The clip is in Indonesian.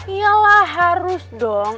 yalah harus dong